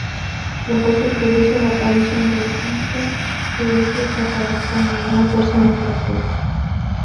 Luego se produce la aparición de Egisto, que es retratado como una persona grotesca.